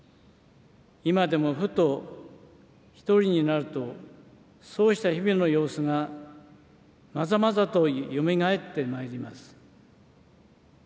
今でもふと一人になると、そうした日々の様子がまざまざとよみがえってまいります。